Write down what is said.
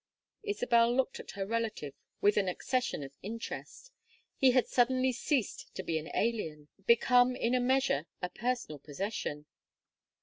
Isabel looked at her relative with an accession of interest; he had suddenly ceased to be an alien, become in a measure a personal possession.